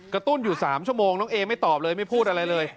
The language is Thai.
ตุ้นอยู่๓ชั่วโมงน้องเอไม่ตอบเลยไม่พูดอะไรเลย